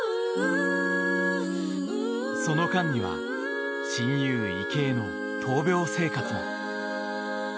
その間には、親友・池江の闘病生活も。